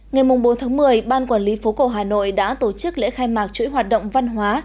ngày bốn một mươi ban quản lý phố cổ hà nội đã tổ chức lễ khai mạc chuỗi hoạt động văn hóa